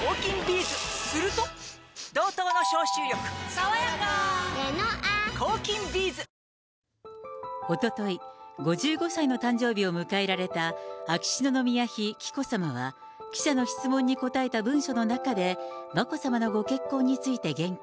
こうした中、おととい、おととい、５５歳の誕生日を迎えられた秋篠宮妃紀子さまは、記者の質問に答えた文書の中で、眞子さまのご結婚について言及。